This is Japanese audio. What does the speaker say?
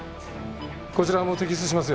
こちらも摘出しますよ。